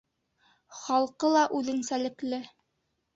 Халҡы ла үҙенсәлекле.